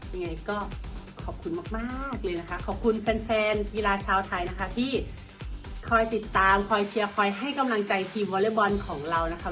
ยังไงก็ขอบคุณมากเลยนะคะขอบคุณแฟนแฟนกีฬาชาวไทยนะคะที่คอยติดตามคอยเชียร์คอยให้กำลังใจทีมวอเล็กบอลของเรานะคะ